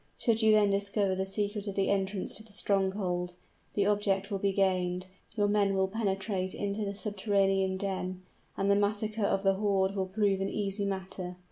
Should you then discover the secret of the entrance to the stronghold, the object will be gained, your men will penetrate into the subterranean den, and the massacre of the horde will prove an easy matter.